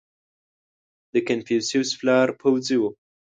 • د کنفوسیوس پلار پوځي و.